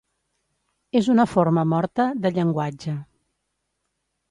És una forma morta de llenguatge”.